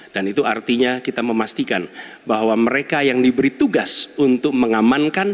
dan itu artinya kita memastikan bahwa mereka yang diberi tugas untuk mengaman